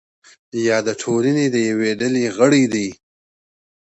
یا د ټولنې د یوې ډلې غړی دی.